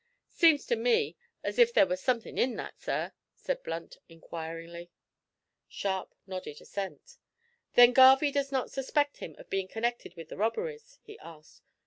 "' Seems to me as if there was something in that, sir?" said Blunt, inquiringly. Sharp nodded assent. "Then Garvie does not suspect him of being connected with the robberies?" he asked.